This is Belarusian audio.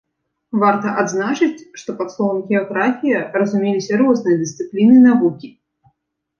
Варта адзначыць, што пад словам геаграфія разумеліся розныя дысцыпліны навукі.